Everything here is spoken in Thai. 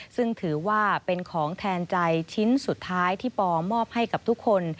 ซึ่งถือว่าเป็นของแทนใจชิ้นสุดท้ายที่ปอมอบให้กับทุกคน